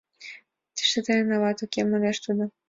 — Тыште тыйын ават уке, — манеш тудо.